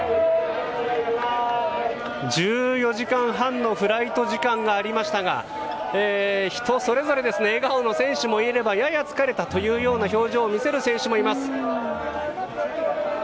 １４時間半のフライト時間がありましたが人それぞれ笑顔の選手もいればやや疲れたという表情を見せる選手もいます。